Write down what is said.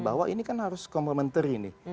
bahwa ini kan harus komplementer ini